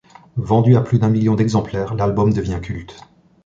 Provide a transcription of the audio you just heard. Vendu à plus d’un million d’exemplaires, l’album devient culte.